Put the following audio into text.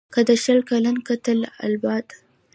که د شل کلن «قتل العباد»